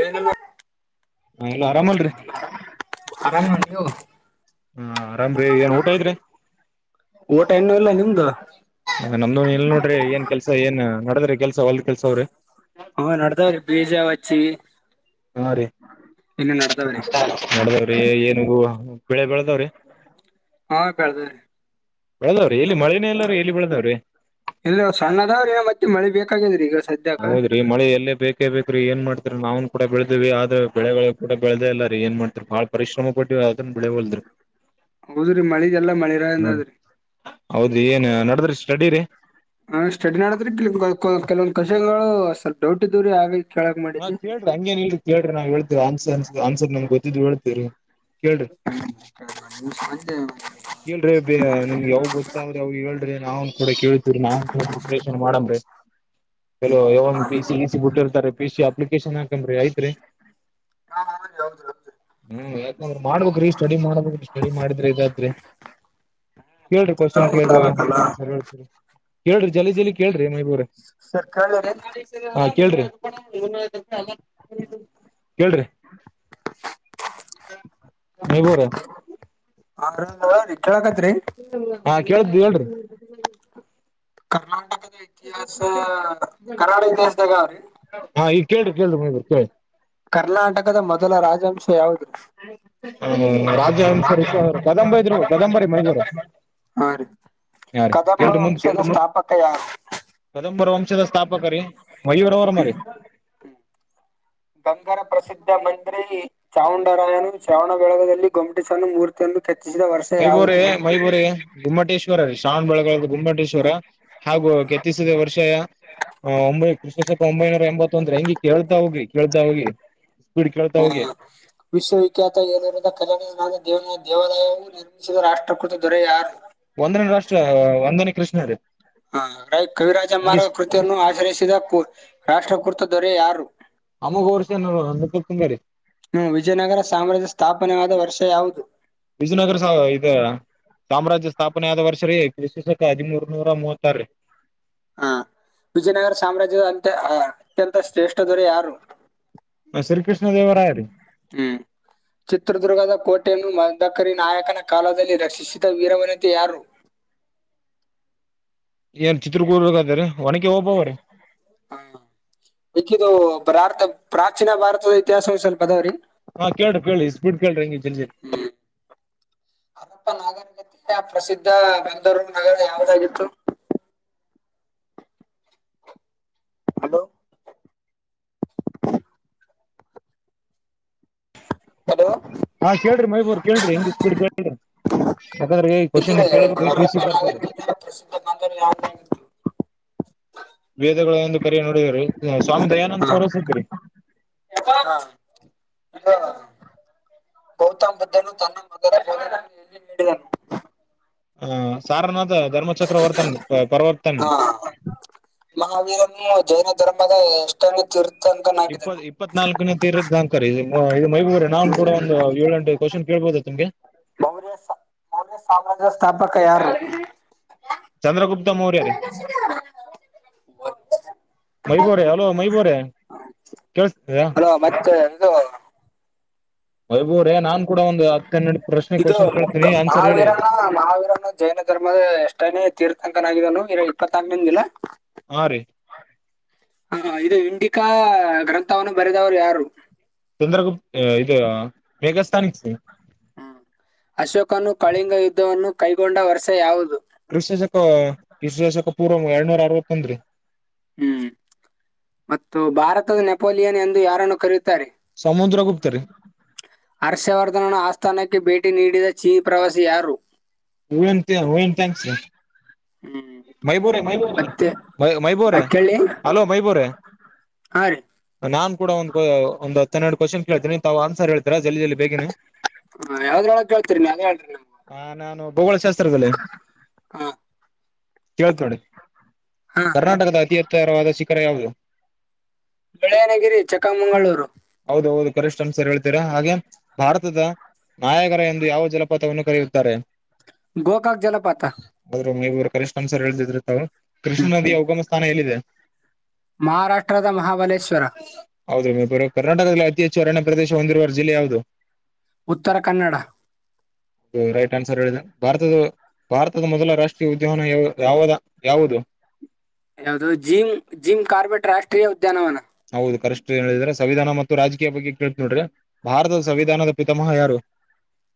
ಏನಲ್ಲ ಹ ಎಲ್ಲ ಆರಾಮಲ್ರಿರಿ ಆರಾಮ ನೀವು ಹ ಆರಾಮ್ರಿ ಏನ್ ಊಟ ಇದ್ರಿ ಊಟ ಇನ್ನೂ ಇಲ್ಲ ನಿಮ್ದು ನಮ್ದ ಎಲ್ ನೋಡ್ರಿ ಏನ್ ಕೆಲ್ಸ ಏನ್ ನಡದ್ರಿ ಕೆಲ್ಸ ಒಲ್ ಕೆಲ್ಸ ಅವ್ರಿ ಪಕ್ಷ ಹಾ ರೀ ನವ್ರೀ ಏನಗೂ ಬೆಳೆ ಬೆಳೆದಾವ್ರೀ ಹಾ ಕದ ಎಲ್ಲಿ ಮಳಿನೇ ಇಲ್ಲರಿ ಎಲ್ಲಿ ಬೆಳದವ್ರಿ ಇಲ್ಲ ಸಣ್ಣದಾವ್ರಿ ಮತ್ತೆ ಮಳೆ ಬೇಕಾಗಿದ್ರಿ ಈಗ ಸದ ಹೌದ್ರಿ ಮಳೆ ಎಲ್ಲೇ ಬೇಕೇ ಬೇಕ್ರೀ ಏನ್ ಮಾಡ್ತಾರ ನಾವ್ ಕೂಡ ಬೆಳೆ್ವಿ ಆದ್ರ ಬೆಳಗಳಗಳು ಕೂಡ ಬೆಳೆದ ಇಲ್ಲ ರ ಏನ್ ಮಾಡ್ತಾರ ಬಾಳ ಪರಿಶ್ರಮ ಕೊಟ್ಟೀವಿ ಅದನ್ ಬೆಳೆೋದ್ರಿ ಹೌದ್ರಿ ಮಳಿಗೆಲ್ಲ ಮಳಿರಿಂದ ಅದ್ರಿ ರೆಡಿೀ ರೀ ಹ ಸ್ಟಡಿ ಮಾಡದ್ರೆ ಕೆಲವಂದ್ ಕಷಗಳು ಸ್ಲ್ ಡೌಟ್ ದೂರಿ ಆೈ ಹಾ ಕೇಳ್ರಿ ಹಂಗೇನ್ ಹೇಳಿ ಕೇಳ್ರಿ ನಾವವು ಹೇಳ್ೇವಿ ಆನ್ಸರ್ನ್ ಆನ್ಸರ್ ನಮ್ ಗೊತ್ತಿದ್ ಹೇಳ್ತೇವರಿ ಹ್ಮ್ ನಿೆ ಕೇಳ್ರಿ ಬ ನಿಮ್ಗೆ ಯಾವ ಗೊತ್ತಾದ್ರೆ ಅವ ಹೇಳ್ರಿ ನಾವನ್ ಕೂಡ ಕೇಳ್ತಿವ್ರಿ ನಾವನ್ ಕೂಡ ಪ್ರಿಪರೇಷನ್ ಮಾಡಮ್ರಿ ಕೆ ಯ ಪ ಸಿ ಇ ಸಿ ಬಿಟ್ಟಿರ್ತಾರೆ ಪ ಸಿ ಅಪ್ಲಿಕೇಶನ್ ಹಾಕ್ರಿ ಆಐತ್ರಿ ಹ ಅವ್ ಮಾಡ್ಬೇಕಕ್್ರೀ ಸ್ಟಡಿ ಮಾಡ್ಬೇಕ್ರೀ ಸ್ಟಡಿ ಮಾಡಿದ್ರ ಇದಾದ್ರಿ ಕೇಳ್ರಿ ಕ್ವಶನ್ ಕೇಳ್ರಿ ಗೊತ್ತಾಗಬೇಕಲ್ಲ ಆನ್ಸರ್ ಹೇಳ್ತಿರಿ ಕೇಳ್ರಿ ಜಲಿ ಜಲಿ ಕೇಳ್ರಿ ಮೈಬೂರ ಸರ್ಕಳನೆ ಹಾ ಕೇಳ್ರಿ ಕೇಳ್ರಿ ನಯಬೋ್ರ ಹ ಹ ಹಾ ಕೇಳ್ದು ಹೇಳ್ರಿ ಕರ್ನಾಟಕದ ಇತಿಹಾಸ ಕರಾಳ ಇತಿಹಾಸದಾಗ ಅವ್ರಿ ಕೇಳಿ ಕೇಳಿ ನೀಿ ಕರ್ನಾಟಕದ ಮೊದಲ ರಾಜಂಶ ಹ ಹೌದು ರಾಜವಂಶ ಕದಂಬ ಇದ್ರು ಕದಂಬರಿೀ ಮಯೂರು ಹಾ ರೀ ಯ ರೀ ಕದಂಬ ಕೇಳಿ ಮುಂದ ವಂಶದ ಸ್ಥಾಪಕ ಯಾರು ಕದಂಬರ ವಂಶದ ಸ್ಥಾಪಕ ರೀ ಮಯೂರ ಅವರ ಮರಿ ಗಂಗರ ಪ್ರಸಿದ್ಧ ಮಂತ್ರಿ ಚಾಮುಂಡರಾಯನು ಶ್ರಾವಣ ಬೆಳಗದಲ್ಲಿ ಗೊಮಟಿಸಣ ಮೂರ್ತಿಯನ್ನು ಕೆತ್ತಿಸಿದ ವರ್ಷ ಮೈಬೂರಿ ಯಾವುದು ಮೈಬೂರಿ ಗುಮ್ಮಟೇಶ್ವರ ರೀ ಶ್ರಾವಣ ಬೆಳಗಾದ ಗುಮ್ಮಟೇಶ್ವರ ಹಾಗೂ ಕೆತ್ತಿಸದೆ ವರ್ಷ ಒಂಬೈ ಕ್ರಷ ಸಾವಿರದ ಒಂಬೈನೂರ ಎಂಬತ್ತೊಂದ್ರ ಹೆಂಗಿ ಕೇಳ್ತಾ ಹೋಗಿ ಕೇಳ್ತ ಹೋಗಿ ಸ್ಪೀಡ್ ಕೇಳ್ತಾ ಹೋಗಿ ಹ ದೇವರಾಯವು ನಿರ್ಮಿಸಿದ ರಾಷ್ಟ್ರಕೃತ ದೊರೆ ಯಾರು ಒಂದನೇ ರಾಷ್ಟ್ರ ಒಂದನೇ ಕೃಷ್ಣ ರೀ ಹ ರ ಕವಿರಾಜ ಹಂಗೆ ಮಾರ್ಗ ಕೃತಿಯನ್ನು ಆಚರಿಸಿದ ರಾಷ್ಟ್ರಕೃತ ದ ರೆ ಯಾರು ಅಮೋಘ ವರ್ಷ ನೂಪು ತುಂಬ ರೀ ಹ್ಮ ವಿಜಯನಗರ ಸಾಮ್ರಾಜ್ಯ ಸ್ಥಾಪನೆವಾದ ವರ್ಷ ಯಾವುದು ವಿಜಯನಗರ ಸ ಇದ ಸಾಮ್ರಾಜ್ಯ ಸ್ಥಾಪನೆ ಆದ ವರ್ಷ ರ ಕಷಶಕ ಹದಿಮೂರ್ನೂರ ಮೂವತ್ತಾರ ಹ ವಿಜಯನಗರ ಸಾಮ್ರಾಜ್ಯದ ಅತ್ಯ ಅತ್ಯಂತ ಶ್ರೇಷ್ಠ ದೊರೆ ಯಾರು ಶ್ರೀಕೃಷ್ಣ ದೇವರಾಯ ರೀ ಹ್ಮ ಚಿತ್ರದುರ್ಗದ ಕೋಟೆಯನ್ನು ಮದಕರಿ ನಾಯಕನ ಕಾಲದಲ್ಲಿ ರಕ್ಷಿಸಿದ ವೀರವನಂತೆ ಯಾರು ಏನ್ ಚಿತ್ರಗಾದ್ರ ಒನಗೆ ಹೋಗಬವ್ರೀ ಹಾ ಮಿಕ್ಕಿದು ಭಾರತ ಪ್ರಾಚೀನ ಭಾರತದ ಇತಿಹವ ಸ್ವಲ್ಪದಾವ್ರೀ ಹಾ ಕೇಳ್ರಿ ಕೇಳಿ ಇಸ್ ಬಿಡ್ ಕೇಳ್ರಿ ಹಂಗಗೆ ಜಲ್ಜ ಅರಪ್ಪ ನಾಗರಗತೆ ಪ್ರಸಿದ್ಧ ಬಂಗೂರು ನಗರ ಯಾವ್ದಾಗಿತ್ತು ಹಲೋ ಹಲ ಹಾ ಕೇಳ್ರಿ ಮೈಬೂರ್ ಕೇಳ್ರಿ ಎಂಗ ಸ್ಪೀಡ್ ಕೇಳ್ರಿ ಯಾಕಂದ್ರೆ ಈ ಕ್ವಶನ್ ಪ್ರಸ ಕೇಳ್ಬೇಕ್ರಿ ಪಿ ಸಿ ಬರ್ತೀರಿ ಬ ವೇದಗಳುಂದು ಕರ ನೋಡಿದರು ಸ್ವಾಮಿ ದಯಾನಂದ ಸಾರಸಿದರಿ ಹಾ ಗೌತಮ್ ಬುದದ್ಧನು ತನ್ನ ಮಗ ಎಲ್ಲಿ ನೀಡಿದನು ಹ ಸಾರನಾಥ ಧರ್ಮಚಕ್ರವರ್ತನ್ ಪರವರ್ತನೆ ಹಾ ಮಾಗ ಎಷ್ಟೀರ್ ಇಪ್ಪತ್ ಇಪ್ಪತ್ನಾಾಲ್ಕನ ತ ಇರದ ಅಂಕರ್ ಇ ಮೈಬೂರರೆ ನಾನ್ ಕೂಡ ಒಂದು ಏಳೆಂು ಕ್ವಶ್ನ್ ಕೇಬೋದು ತಮ್ಗೆ ಮೌರ್ಯ ಮೌರ್ಯ ಸಾಮ್ರಾಜ್ಯ ಸ್ಥಾಪಕ ಯಾರು ಚಂದ್ರಗುಪ್ತ ಮೌರ್ಯ ರ ಮೈಬೂರ ಹಲೋ ಮೈಬೂರ ಕೇೇಳಸ್ತ ಅ ನಾನ್ ಕೂಡ ಒಂದು ಹತ್ತ ಹನ್ನೆರಡು ಪ್ರಶ್ನೆ ಇದು ಕ್ವಶನ್ ಕೇಳ್ತೀನಿ ಆನ್ಸರ್ ಹೇಳಿ ಮಹಾವೀರನ ಮಹಾವೀರನ ಜೈನ ಧರ್ಮದ ಎಷ್ಟೇನೆೇ ತೀರ್ಥಾಂಕನಾಗಿದನು ಇರ ಇಪ್ಪತ್ತಾರಂದಲ ಹಾ ರೀ ಹಾ ಇದು ಇಂಡಿ ಅಕ್ಕ ಗ್ರಂಥವನ್ನು ಬರೆದವ್ರು ಯಾರು ಚಂದ್ರಗುಪ್ತ ಇದು ಮೇಘ ಹ್ಮ್ ಅಶೋಕನು ಕಳಿಂಗ ಯುದ್ಧವನ್ನು. ಕೈಗೊಂಡ ವರ್ಷ ಯಾವುದು? ಕ್ರಿಸ್ತಶಕ ಕ್ರಿಸ್ತಶಕ ಪೂರ್ವ ಎರಡ್ನೂರ ಅರವತ್ತೊಂದರಿ. ಹ್ಮ್ ಮತ್ತು ಭಾರತದ ನೆಪೋಲಿಯನ್ ಎಂದು ಯಾರನ್ನು ಕರೆಯುತ್ತಾರೆ? ಸಮುದ್ರ ಗುಪ್ತ ರೀ ಹರ್ಷವರ್ಧನ ಆಸ್ಥಾನಕ್ಕೆ ಭೇಟಿ. ಬೇಟಿ ನೀಡಿದ ಚೀ ಪ್ರವಾಸಿ ಯಾರು? ಹೂವಂತಿಯ ಹುಯಿನ್ [unintelligible] ಹ್ಮ್ ಮೈಬೋರೆ ಮೈಬ ಮತ್ತೆ ಮೈಬೋರೆ ಮಕ್ಕಳಿ ಹಲೋ ಮೈಬೋರೆ ಹಾ ರೀ ನಾನ್. ಕೂಡಾ ಒಂದು ಒಂದು ಹತ್ತ ಹನ್ನೆರಡ್ ಕೋಶನ್ ಕೇಳ್ತೀನಿ ತಾವು ಆನ್ಸರ್ ಹೇಳಿ. ಹಾ ಯಾವ್ದ್ರೊಳಗ ಕೇಳ್ತೀರಿ ನೀವ ಅದ ಹೇಳ್ರಿ ನಮಗ. ಭಗೋಳಶಾಸ್ತ್ರದಲ್ಲಿ. ಕೇಳ್ತ್ ನೋಡಿ ಹಾ ಕರ್ನಾಟಕದ ಅತಿ ಎತ್ತ್. ತ್ತರವಾದ ಶಿಖರ ಯಾವುದು? ಬೆಳ್ಳಯನಗಿರಿ ಚಿಕ್ಕಮಂಗಳೂರು. ಹೌದು ಹೌದು ಕರಿಷ್ಠ ಆನ್ಸರ್ ಹೇಳ್ತೀರ ಹಾಗೆ ಭಾರತದ ನಾಯಗರ ಎಂದು ಯಾವ ಜಲಪಾತವನ್ನು ಕರೆಯುತ್ತಾರೆ? ಗೋಕಾಕ್ ಜಲಪಾತ. ಕರಿಷ್ಠ ಆನ್ಸರ್ ಹೇಳ್ತಿದ್ದೀರಾ ತಾವು. ಕೃಷ್ಣ ಹ್ಮ್ ನದಿಯ ಉಗಮ. ಸ್ಥಾನ ಎಲ್ಲಿದೆ? ಮಹಾರಾಷ್ಟ್ರದ ಮಹಾಬಲೇಶ್ವರ. ಹೌದು ರೀ ನೀವ್ ಕರ್ನಾಟಕದಲ್ಲಿ ಅತಿ ಹೆಚ್ಚು ಅರಣ್ಯ ಪ್ರದೇಶ ಹೊಂದಿರುವ ಜಿಲ್ಲೆ ಯಾವುದು? ಉತ್ತರ ಕನ್ನಡ. ರೈಟ್ ಆನ್ಸರ್ ಹೇಳಿದೆ ಭಾರತದ ಭಾರತದ ಮೊದಲ ರಾಷ್ಟ್ರೀಯ ಉದ್ ಉದ್ಯಾನವನ ಯಾವ್ ಯಾವದ ಯಾವುದು? ಯಾವದು ಜಿಮ್ ಜಿಮ್ ಕಾರ್ಬೆಟ್ ರಾಷ್ಟ್ರೀಯ. ಉದ್ಯಾನವನ ಹೌದು ಕರೆಸ್ಟ್. ಹೇಳಿದಿರಾ ಸಂವಿಧಾನ ಮತ್ತು ರಾಜಕೀಯ ಬಗ್ಗೆ ಕೇಳ್ತೀ ನೋಡ್ರಿ. ಭಾರತದ ಸಂವಿಧಾನದ ಪಿತಾಮಹ ಯಾರು?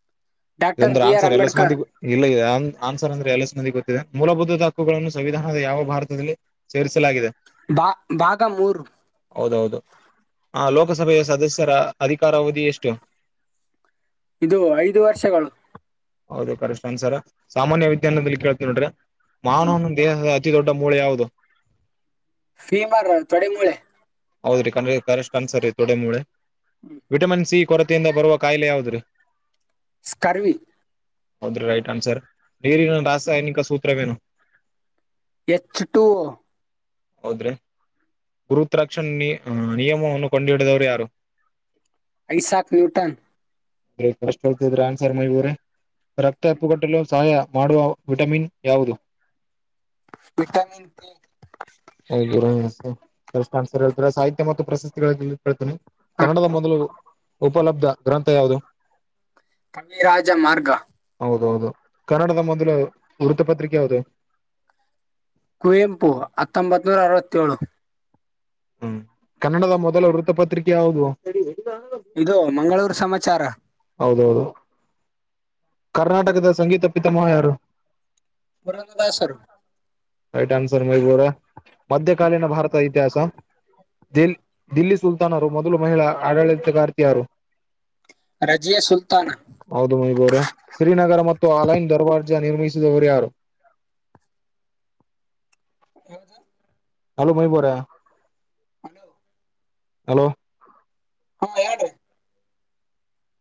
[unintelligible] ಡಾಕ್ಟರ್ ಇದೊಂದ್ರ ಬಿ ಆರ್ ಆನ್ಸರ್ ಎಲ್ಲಸ ಅಂಬೇಡ್ಕರ್ ಮಂದಿಗು ಇಲ್ಲ ಇ ಆನ್ಸ್. ಆನ್ಸರ್ ಅಂದ್ರೆ ಎಲ್ಲಸ್ ಮಂದಿಗ್ ಗೊತ್ತಿದೆ ಮೂಲಭೂತದ ಹಕ್ಕುಗಳನ್ನು ಸಂವಿಧಾನದ ಯಾವ ಭಾರತದಲ್ಲಿ. ಸೇರಿಸಲಾಗಿದೆ ಭಾ ಭಾಗ ಮೂರು. ಹೌದೌದು ಆ ಲೋಕಸಭೆಯ ಸದಸ್ಯರ ಅಧಿಕಾರಾವಧಿ ಎಷ್ಟು? ಇದು ಐದು ವರ್ಷಗಳು ಹೌದು ಕರೆಕ್ಟ್ ಅನ್ಸರ್ ಸಾಮಾನ್ಯ ವಿಜ್ಞಾನದಲ್ಲಿ ಕೇಳ್ತೀನಿ ನೋಡ್ರ್ಯ ಹ್ಮ್. ಮಾನವನ ದೇಹದ ಅತಿ ದೊಡ್ಡ ಮೂಳೆ ಯಾವುದು ಫೀ ಮಾರ ತೊಡಿ ಮೂಳೆ ಹೌದ್ರಿ ಕಣ್ರ ಕರೆಷ್ಟ್ ಅನ್ಸರ್ ರೀ ತೊಡೆ ಮೂಳೆ ವಿಟಾಮಿನ್ ಸಿ ಕೊರತೆಯಿಂದ ಬರುವ ಕಾಯಿಲೆ ಯಾವುದ್ರಿ ಸ್ಕರ್ವಿ ಹೌದ್ರಿ ರೈಟ್ ಆನ್ಸರ್ ಡೇರಿ ರಾಸಾಯನಿಕ ಸೂತ್ರವೇನು ಹೆಚ್ಚಟು ಹೌದ್ರೆ ಗುರು ತ್ರಕ್ಷನ್ ನೀ ನಿಯಮವನ್ನು ಕಂಡು ಹಿಡಿದವರು ಯಾರು ಐಸಾಕ್ ನ್ಯೂಟನ್ ಏ ಕರೆಕ್ಟ್ ಹೇಳ್ತಿದೀರಾ ಆನ್ಸರ್ ಮೈಬು ಅವ್ರೆ ರಕ್ತ ಹೆಪ್ಪುಗಟ್ಟಲು ಸಹಾಯ ಮಾಡುವ ವಿಟಮಿನ್ ಯಾವುದು ವಿಟಾಮಿನ್ ತ್ರಿ ಹ ಕರೆಕ್ಟ್ ಅನ್ಸರ್ ಹೇಳ್ತೀರಾ ಸಾಹಿತ್ಯ ಮತ್ತು ಪ್ರಶಸ್ತಿಗಳ ಕೇಳ್ತೀನಿ ಹಾ ಕನ್ನಡದ ಮೊದಲು ಉಪಲಬ್ಧ ಗ್ರಂಥ ಯಾವುದು ಕವಿರಾಜ ಮಾರ್ಗ ಹೌದೌದು ಕನ್ನಡದ ಮೊದಲು ವೃತ್ತಪತ್ರಿಕೆ ಯಾವುದು ಕುವೆಂಪು ಹತ್ತೊಂಬತ್ ನೂರ ಅರವತ್ತೇಳು ಹ್ಮ್ ಕನ್ನಡದ ಮೊದಲ ವೃತ್ತಪತ್ರಿಕೆ ಯಾವುದು ಇದು ಮಂಗಳೂರು ಸಮಾಜ ಚಾರ ಹೌದೌದು ಕರ್ನಾಟಕದ ಸಂಗೀತ ಪಿತಾಮಹ ಯಾರು ಪುರಂದ ದಾಸರು ರೈಟ್ ಆನ್ಸರ್ ಮೈಬು ಅವ್ರೆ ಮಧ್ಯಕಾಲೀನ ಭಾರತ ಇತಿಹಾಸ ದಲ್ ದಿಲ್ಲಿ ಸುಲ್ತಾನರು ಮೊದಲು ಮಹಿಳಾ ಆಡಳಿತಗಾರ್ತಿ ಯಾರು ರಜಿಯ ಸುಲ್ತಾನ ಹೌದು ಮೈಬು ಅವ್ರೆ ಶ್ರೀನಗರ ಮತ್ತು ಆಲೈನ್ ದರ್ವಾಡ್ ನಿರ್ಮಿಸಿದವರು ಯಾರು ಯಾವ್ದ ಹಲೋ ಮೈಬು ಅವ್ರೆ ಹಲೋ ಹಲೋ ಹಾ ಹೇಳ್ರಿ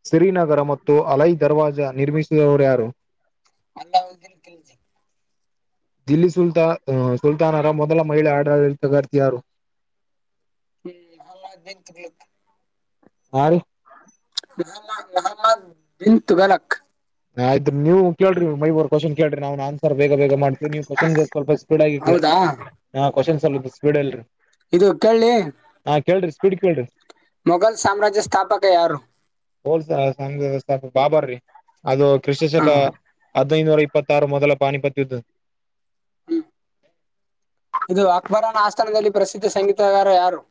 ಸಿರಿನಗರ ಮತ್ತು ಅಲೈ ದರ್ವಾಜ ನಿರ್ಮಿಸಿದವರ ಯ್ಯಾರು ಅಲ್ಲಾ ಹೊದೀನ್ ಕಿಲ್ಜಿ ದಿಲ್ಲಿ ಸುಲ್ತಾ ಸುಲ್ತಾನರ ಮೊದಲ ಮಹಿಳೆ ಆಡಳಿತಗಾರ್ತಿ ಯಾರು ಹ್ಮ್ [unintelligible] ಆ ರಿ ಹಮ್ಮ ಮುೊಹಮ್ಮದ ಬಿನ್ ತುಗಲಕ್ ಆಯ್ತ್ರಿ ನೀವು ಕೇಳಿ ಮೈಬೂರ್ ಕ್ವ್ನ್ ಕೇಳ್ರಿ ನ್ನ್ ರ್ ಬೇಗ ಬೇಗ ಮಾಡ್ತ ನೀವು ಕ್ವನ್ ಸ್ವಲ್ಪ ಸ್ಪೀಡ್ ಆಗಿಿ ಹೌದಾ ಹ ಕ್ವನ್ ಸ್ವಲ್ಪ ಸ್ಪೀಡ್ ಅಲ್ರಿ ಇದು ಕೇಳಿ ಹ ಕೇಳ್ರಿ [unintelligible] ಕ ಕಡ್ [unintelligible] ಮೊಘಲ್ ಸಾಮ್ರಾಜ್ಯ ಸ್ಥಾಪಕ ಯಾರು ಬೋಲ್ಸಥ ಬಾಬಾರ ರೀ ಅದು ಕೃಷಿ ಹಾ ಸಕ ಅ ಐನೂರ ಇಪ್ಪತ್ತ ಆಾರು ಮೊಲ ಪಾಣಿಪತ್ಯುತ್ ಇದು ಅಕ್ಬರನ ಆಸ್ಥಾನದಲ್ಲಿ ಪ್ರಸಿದ್ಧ ಸಂಗೀತಗಾರ ಯಾರು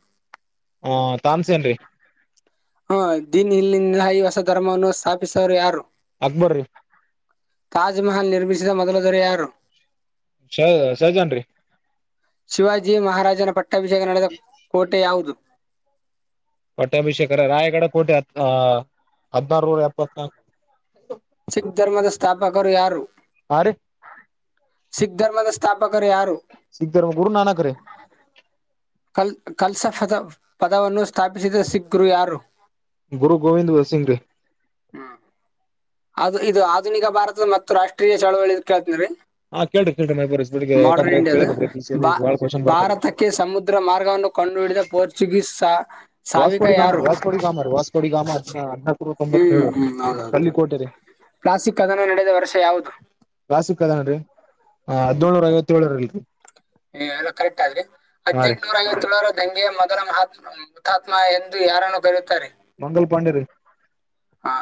ಹಾ ತನ್ಸೇನ್ರಿ ಹ ದನ್ ಇಲ್ಲಿಂದ ಹ ಹೊಸ ಧರ್ಮವನ್ನು ಸ್ಥಾಪಿಸೋರು ಯಾರು ಅಕ್ಬರ್ರಿ ತಾಜ್ಮಹಲ್ ನಿರ್ಮಿಸಿದ ಮೊದಲ ದೊರೆ ಯಾರು ಶ ಶಹಜಾನ್ ರೀ ಶಿವಾಜಿ ಮಹಾರಾಜನ ಪಟ್ಟಾಭಿಷೇಕ ನಡೆದ ಕೋಟೆ ಯಾವುದು ಪಟ್ಟಾಭಿಷೇೇಕರ ರಾಯಗಡ ಕೋಟೆ ಹ ಹದ್ಿನಾರ ನೂರ ಎಪ್ಪತ್ನಾಲ್ಕು [unintelligible] ಸಿಖ್ ಧರ್ಮದ ಸ್ಥಾಪಕರು ಯಾರು ಆರು ಸಿಖ್ ಧರ್ಮದ ಸ್ಥಾಪಕರು ಯಾರು ಸಿಿಖ್ ಧರ್ಮ ಗುರು ನಾನಕ ರೇ ಕಲ್ ಕಲ್ಸಫದ ಪದವನ್ನು ಸ್ಥಾಪಿಸಿದ ಸಿಗ್ಗುರು ಯಾರು ಗುರು ಗೋವಿಂದ ಸಿಂಗ ಅದು ಇದು ಆಧುನಿಕ ಭಾರತದ ಮತ್ತು ರಾಷ್ಟ್ರೀಯ ಚಳವಳಿ ಕೇಳ್ತೀನ ರೀ ಹಾ ಕೇಳ್ರಿ ಕೇಳ್ರಿ ಮೈಬೂರ್ ಎಸ್ ಬಿಡಿಗೆ ಮಾಡ್ರನ್ ಯಾಕಂದ್ರೆ ಇಂಡಿಯದು ಕೇಳಬೇಕ್ರಿ ಪಿ ಸಿ ಬ ಅಲ್ಲಿ ಬಾಳ ಕ್ವಶನ್ ಬರ್ತಾರೆ ಭಾರತಕ್ಕೆ ಸಮುದ್ರ ಮಾರ್ಗವನ್ನು ಕಂಡುಹಿಡಿದ ಪೋರ್ಚುಗೀಸ್ ಸಾವಿಕ ವಸ್ಕೋಡಿ ಗಾಮ ಯಾರು ವಾಸ್ಕೋಡಿ ಗಾಮರ ವಾಸ್ಕೋಡಿ ಗಾಮ ಹದ ಹದಕ ತೊಂಬತ್ತೇಳು ಕಲ್ಲಿಕೋಟೆ ರೀ ಪ್ಲಾಸಿಕ್ ಕದನ ನಡೆದ ವರ್ಷ ಯಾವುದು ದನ್ರಿ ಹಾ ಹದಿನೇಳನರ ಐವತ್ತೇಳರಲ್ರಿ ನೀ ಎಲ್ಲ ಕರೆಕ್ಟ್ ಆದ್ರೆ ಹಾ ರೀ ಹದ್ೆಂಟನೂರ ಐವ ಹೆಂಗೆ ಮೊದಲಹಾತ್ ಹುತಾತ್ಮ ಎಂದು ಯಾರನ್ನು ಕರೆಯುತ್ತಾರೆ ಮಂಗಲ್ ಪಾಂಡೆರು ಹಾ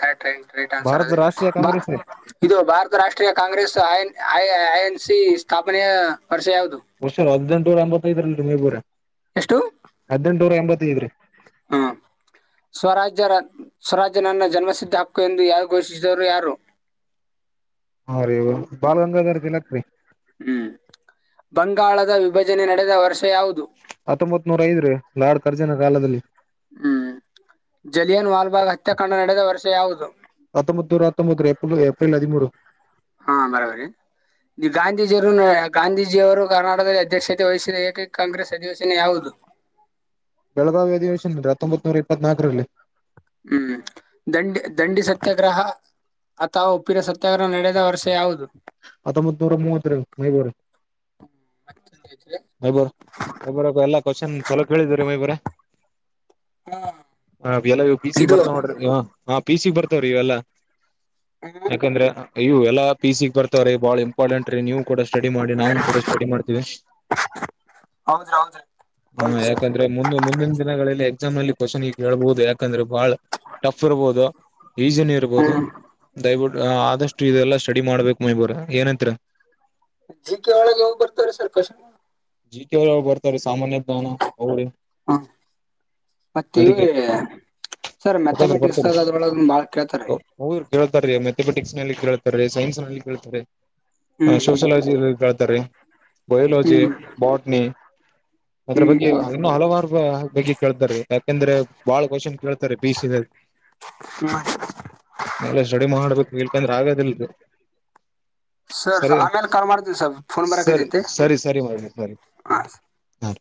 ಕರೆಟ್ ರೈಟ್ ಆನ್ಸರ್ ಭಾರತ ಅ್ರೆ ರಾಷ್ಟ್ರೀಯ ಕಾಂಗ್ರೆಸ್ ರೀ ಇದು ಭಾರತ ರಾಷ್ಟ್ರೀಯ ಕಾಂಗ್ರೆಸ್ ಆಯಯ ಆಐ ಎನ್ ಸಿಿ ಸ್ಥಾಪನೆಯ ವರ್ಷ ಯಾವುದು ವರ್ಷ ಹದ್ೆಂಟುನೂರ ಎಂಬತ್ತೈದರಲ್ ಮೈಬೂರ ಹದ್ಿನಂಟುನೂರ ಎ ್ರೆ [unintelligible] ಹಾ ಸ್ವರಾಜ್ಯರ ಸ್ವರಾಜ್ಯ ನನ್ನ ಜನ್ಮಸಿದ್ಧಿ ಹಕ್ಕು ಎಂದು ಯಾರು ಘೋಷಿಸರು ಯಾರು ಹಾ ರೀ ಬಾಲ್ ಗಂಗಾಧರ್ತಿಲಕ್ಕ್ರೀ ಹ್ಮ್ ಬಂಗಾಳದ ವಿಭಜನೆ ನಡೆದ ವರ್ಷ ಯಾವುದು ಹತ್ತೊಂಬತ್ ನೂರ ಐದ್ರೀ ಲಾಡ್ ಕರ್ಜಿನ ಕಾಲದಲ್ಲಿ ಹ್ಮ್ ಜಲಿಯನ್ ವಾಲ್ಬಾಗ್ ಹತ್ಯಾಕಾಂಡ ನಡೆದ ವರ್ಷ ಯಾವುದು? ಹತ್ತೊಂಬತ್ನೂರ ಹತ್ತೊಂಬತ್ ರಿ ಏಪ್ರಿ ಏಪ್ರಿಲ್ ಹದಿಮೂರು ಗಾಂಧೀಜಿಯವ್ರು ನೆ ಗಾಂಧೀಜಿಯವ್ರು ಕರ್ನಾಟಕದಲ್ಲಿ ಅಧ್ಯಕ್ಷತೆ ವಹಿಸಿದ ಏಕೈಕ್ ಕಾಂಗ್ರೆಸ್ ಅಧಿವೇಶನ ಯಾವುದು? ಬೆಳಗಾವಿ ಅಧಿವೇಶನ ಹತ್ತೊಂಬತ್ನೂರ ಇಪ್ಪತ್ನಾಲ್ಕರಲ್ಲಿ ಹ್ಮ್ ದಂಡಿ ದಂಡಿಸ ಸತ್ಯಾಗ್ರಹ ಅಥವ್ ಉಪ್ಪಿನ ಸತ್ಯಾಗ್ರಹ ನಡೆದ ವರ್ಷ ಯಾವುದು? ಹತ್ತೊಂಬತ್ ನೂರ ಮೂವತ್ ರಿ ಮೈಬೂರ ಮೈಬರ್ ಮಬರ ಎಲ್ಲಾ ಕೊಶನ್ ಚಲೋ ಕೇಳಿದಿರಿ ಮೈ ಹ ಎಲ್ಲ ಇವ್ ಪಿ ಸಿಗ್ ಇದು ಬರ್ತಾವ್ ನೋಡ್ರಿ ಇವ ಪಿ ಸಿಗ್ ಬರ್ತಾವ್ರೀ ಇವೆಲ್ಲ. ಯಾಕಂದ್ರೆ ಅಯ್ಯು ಎಲ್ಲ ಪೀ ಸಿಗ್ ಬರ್ ತಾವ್ರಿ ಬಾಳ ಇಂಪಾರ್ಟೆಂಟ್ ರೀ ನೀವು ಕೂಡ ಸ್ಟಡಿ ಮಾಡಿ ನಾನು ಕೂಡ ಸ್ಟಡಿ ಮಾಡ್ತಿವಿ, ಹೌದ್ರಿ ಹೌದ್ರಿ ಹ ಹೌದು ಸರ್ ಯಾಕಂದ್ರೆ ಮುಂದೆ ಮುಂದಿನ್ ದಿನಗಳಲ್ಲಿ ಎಕ್ಸಾಮ್ ಅಲ್ಲಿ ಕ್ವಶನ್ಗಳ್ ಕೇಳ್ಬೋದು ಯಾಕಂದ್ರೆ ಬಹಳ್ ಟಫ್ ಇರ್ಬಹುದು. ಈಸಿನು ಇರ್ಬೊದು ಹ್ಮ್ ದಯ್ವಿಟ್ಟು ಆದಷ್ಟು ಇದೆಲ್ಲ ಸ್ಟಡಿ ಮಾಡ್ಬೇಕು ಮೈಬೂರೆ ಏನಂತೀರಾ? ಜಿ ಕೆೆ ಒಳಗ್ ಇವ್ ಬರ್ತವ್ ರಿ ಸರ್ ಕೊಶನ್ ಜಿ ಕೆ ದ್ರಾಗ್ ಬರ್ತಾವ್ರಿ ಸಾಮಾನ್ಯ ಜ್ಞಾನ ಹ ಮತ್ತ ಇವ್ರಿ ಸರ್ [unintelligible] ಮ್ಯಾಥಮೆಟಿಕ್ಸ್ ಬರ್ತಾವ್ ರಿ, ಅದ್ರೊಳಗ ಬಾಳ ಕೇಳ್ತಾರೀ ಅವ್ ಅವ್ರು ಕೇಳ್ತಾರೀ ಮೆತಮೆಟಿಕ್ಸ್ ನಲ್ಲಿ ಕೇಳ್ತ ತರೆ ಸೈನ್ಸ್ ನಲ್ಲಿ ಕೇಳ್ತಾರೆ ಹ ಹ್ಮ್ ಸೋಶಲಜಿಯಲ್ಲಿ ಕೇಳ್ತಾರೆ, ಬಯೋಲಜಿ ಹ್ಮ್ ಹ್ಮ್ ಬಾಟ್ನಿ ಅದ್ರ್ ಬಗ್ಗೆ ಹ್ಮ್ ಇನ್ನು ಹಲವಾರು ಬಗ್ಗೆ ಕೇಳ್ತಾರೆ. ಯಾಕಂದ್ರೆ ಬಾಳ್ ಕೋಷನ್ ಕೇಳ್ತಾರೆ ಪಿ ಯು ಸಿ ದಾಗ್, ಹ್ಮ್ ಹ್ಮ್ ಎಲ್ಲ ಸ್ಟಡಿ ಮಾಡ್ಬೇಕು ಹೇಳ್ಕಂದ್ರೆ ಆಗದಿಲ್ಲ ಬೆ, ಸರ್ ಸರಿ ಆಮೇಲೆ ಕಾಲ್ ಮಾಡ್ತೀವಿ ಸರ್ ಫೋನ್ ಸರಿ ಬರಕತೈತಿ ಸರಿ ಸರಿ ಸರಿ ಹಾ ಸರ್ ಹಾ.